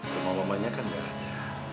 rumah mamanya kan gak ada